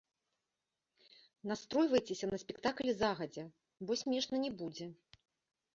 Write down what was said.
Настройвайцеся на спектакль загадзя, бо смешна не будзе.